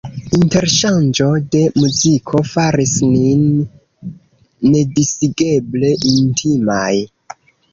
Interŝanĝo de muziko faris nin nedisigeble intimaj.